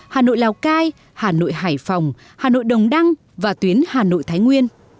hà nội lào cai hà nội hải phòng hà nội đồng đăng và tuyến hà nội thái nguyên